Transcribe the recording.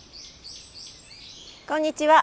こんにちは。